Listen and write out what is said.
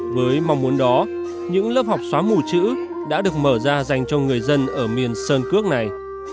với mong muốn đó những lớp học xóa mù chữ đã được mở ra dành cho người dân ở miền sơn cước này